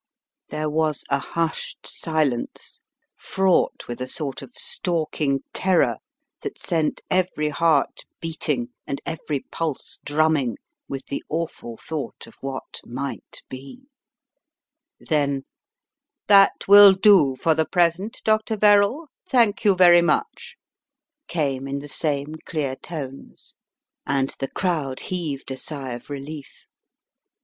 There was a hushed silence fraught with a sort of stalking terror that sent every heart beating and every pulse drumming with the awful thought of what might be. Then: " That will do for the present, Dr. Verrall. Thank you very much," came in the same clear tones and 224 The Riddle of the Purple Emperor the crowd heaved a sigh of relief.